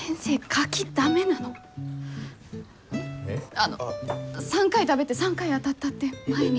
あの３回食べて３回あたったって前に。